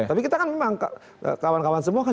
tapi kita kan memang kawan kawan semua